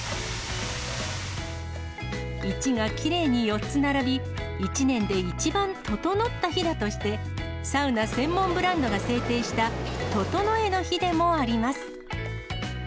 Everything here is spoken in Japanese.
１がきれいに４つ並び、１年で一番ととのった日だとして、サウナ専門ブランドが制定した、ととのえの日でもあります。